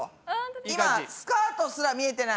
今スカートすら見えてない！